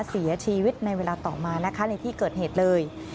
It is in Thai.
เสียชีวิตในเวลาต่อมานะคะในที่เกิดเหตุเลย